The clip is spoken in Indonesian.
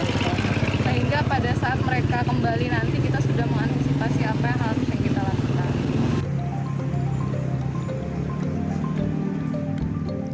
sehingga pada saat mereka kembali nanti kita sudah mengansipasi apa hal yang kita lakukan